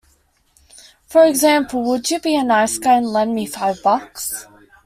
For example, Would you be a nice guy and lend me five bucks?